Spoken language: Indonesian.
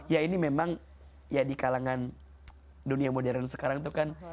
ya ini memang ya di kalangan dunia modern sekarang itu kan